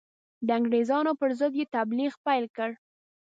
د انګرېزانو پر ضد یې تبلیغ پیل کړ.